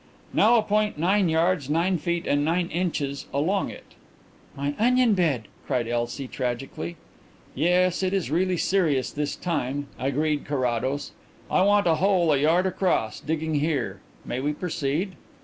"Now a point nine yards, nine feet and nine inches along it." "My onion bed!" cried Elsie tragically. "Yes; it is really serious this time," agreed Carrados. "I want a hole a yard across, digging here. May we proceed?"